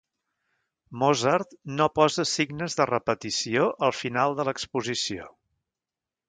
Mozart no posa signes de repetició al final de l'exposició.